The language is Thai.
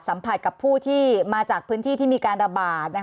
สัมผัสกับผู้ที่มาจากพื้นที่ที่มีการระบาด